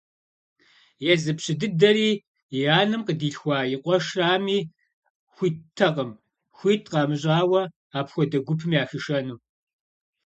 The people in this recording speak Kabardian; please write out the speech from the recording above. Езы пщы дыдэри, и анэм къыдилъхуа и къуэшрами, хуиттэкъым хуит къамыщӏауэ апхуэдэ гупым яхишэну.